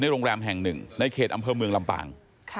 โรงแรมแห่งหนึ่งในเขตอำเภอเมืองลำปาง